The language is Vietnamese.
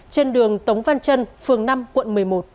trên đường tống văn trân phường năm quận một mươi một